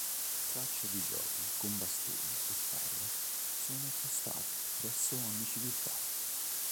Tracce di giochi con bastone e palla sono attestate presso ogni civiltà.